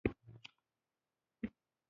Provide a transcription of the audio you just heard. آیا دوی په سختو کارونو کې بوخت نه دي؟